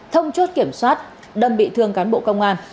thông chốt kiểm soát đâm bị thương cán bộ công an